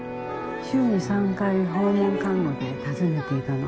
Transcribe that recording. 週に３回訪問看護で訪ねていたの。